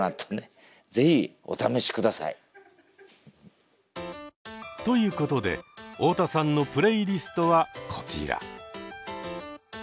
ぜひお試し下さい。ということで太田さんのプレイリストはこちら。